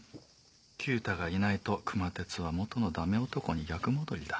九太がいないと熊徹は元のダメ男に逆戻りだ。